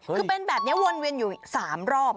คือเป็นแบบนี้วนเวียนอยู่๓รอบ